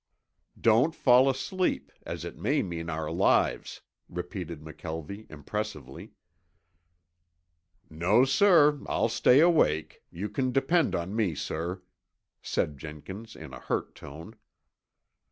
"Don't fall asleep, as it may mean our lives," repeated McKelvie impressively. "No, sir. I'll stay awake. You can depend on me, sir," said Jenkins in a hurt tone.